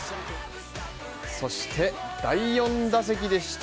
そして第４打席でした。